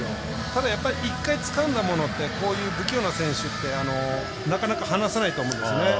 ただ、１回つかんだものってこういう不器用な選手ってなかなか離さないと思うんですね。